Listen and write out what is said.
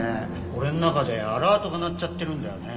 俺の中でアラートが鳴っちゃってるんだよね。